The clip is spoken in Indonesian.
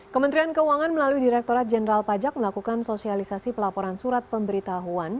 kementerian keuangan melalui direkturat jenderal pajak melakukan sosialisasi pelaporan surat pemberitahuan